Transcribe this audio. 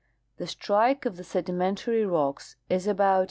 The strike of the sedimentary rocks is about N.